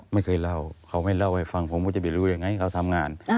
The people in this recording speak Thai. ไม่เคยเล่าเขาไม่เล่าให้ฟังผมก็จะไปรู้ยังไงเขาทำงาน